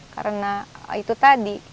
karena itu tadi